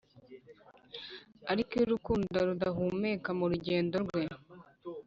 ariko iyo urukundo rudahumeka murugendo rwe